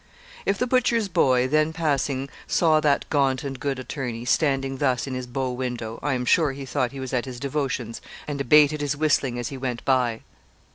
If the butchers' boy then passing saw that gaunt and good attorney, standing thus in his bow window, I am sure he thought he was at his devotions and abated his whistling as he went by.